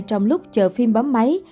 trong lúc chờ phim bấm máy